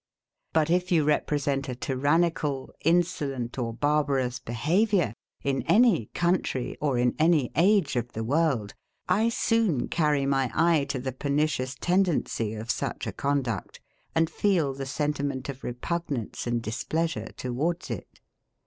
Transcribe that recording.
But if you represent a tyrannical, insolent, or barbarous behaviour, in any country or in any age of the world, I soon carry my eye to the pernicious tendency of such a conduct, and feel the sentiment of repugnance and displeasure towards it.